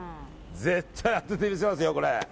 絶対当ててみてますよ、これ。